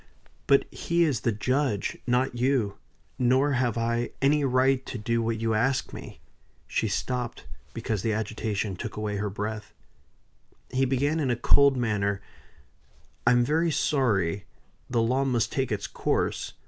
But he is the judge, not you; nor have I any right to do what you ask me." She stopped, because the agitation took away her breath. He began in a cold manner: "I am very sorry. The law must take its course.